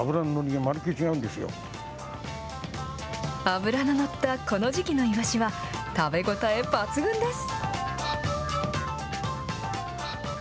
脂の乗ったこの時期のいわしは、食べ応え抜群です。